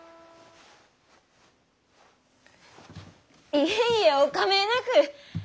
いえいえお構えなく！